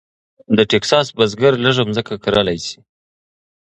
د ټیکساس بزګر لږه ځمکه کرلی شي.